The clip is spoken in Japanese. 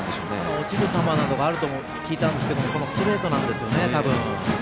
落ちる球などがあると聞いたんですがストレートなんですよね、多分。